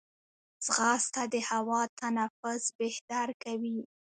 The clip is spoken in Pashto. ځغاسته د هوا تنفس بهتر کوي